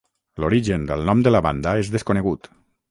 L'origen del nom de la banda és desconegut.